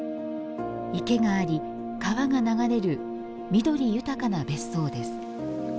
池があり、川が流れる緑豊かな別荘です。